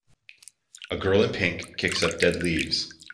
A girl in pink kicks up dead leaves.